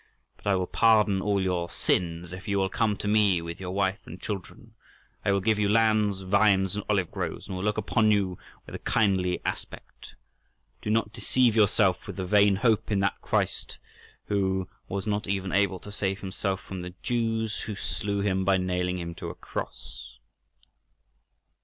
But I will pardon all your sins if you will come to me with your wife and children; I will give you lands, vines, and olive groves, and will look upon you with a kindly aspect. Do not deceive yourself with the vain hope in that Christ, who was not even able to save himself from the Jews, who slew him by nailing him to a cross."